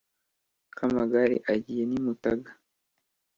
kamagari agiye n’imutaga